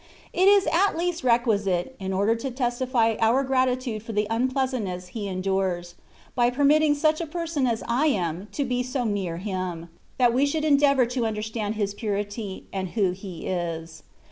^ It is at least requisite, in order to testify our gratitude for the unpleasantness he endures, by permitting such a person as I am to be so near Him, that we should endeavour to imderstand His purity, and who He is.